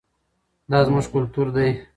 دا زموږ کلتور دی.